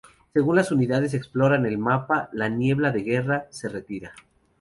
Según las unidades exploran el mapa, la niebla de guerra se retira.